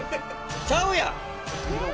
ちゃうやん！